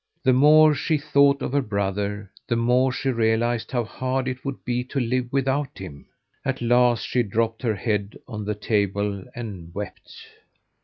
The more she thought of her brother the more she realized how hard it would be to live without him. At last she dropped her head on the table and wept.